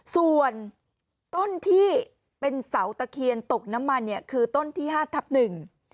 ส่วนต้นที่เป็นเสาตะเคียนตกน้ำมันเนี่ยคือต้นที่ห้าทับหนึ่ง